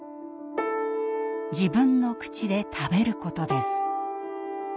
自分の口で食べることです。